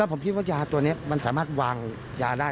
ผมคิดว่ายาตัวนี้มันสามารถวางยาได้